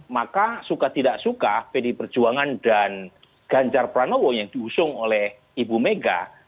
maka suka tidak suka pdi perjuangan dan ganjar pranowo yang diusung oleh ibu mega